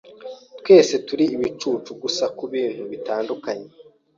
Twese turi ibicucu, gusa kubintu bitandukanye.